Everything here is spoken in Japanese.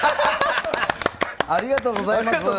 ありがとうございます。